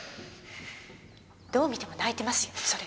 どう見ても泣いてますよそれ。